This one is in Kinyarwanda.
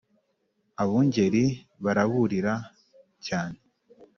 abungeri baraburira cyane